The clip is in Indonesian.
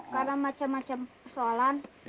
karena macam macam persoalan